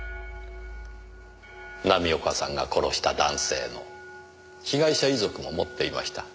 浪岡さんが殺した男性の被害者遺族も持っていました。